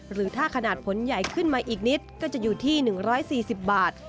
หรือถ้าขนาดผลใหญ่ขึ้นมาอีกนิดก็จะอยู่ที่๑๔๐บาท